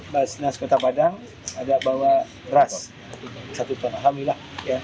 basnas kota padang ada bawa beras satu ton alhamdulillah